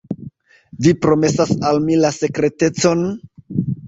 Vi promesas al mi la sekretecon?